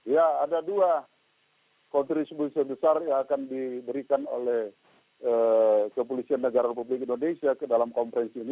ya ada dua kontribusi besar yang akan diberikan oleh kepolisian negara republik indonesia ke dalam konferensi ini